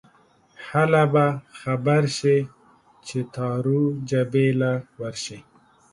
هله به خبر شې چې تارو جبې له ورشې